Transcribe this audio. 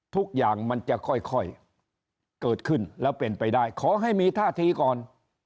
ทุกอย่างมันจะค่อยเกิดขึ้นแล้วเป็นไปได้ขอให้มีท่าทีก่อน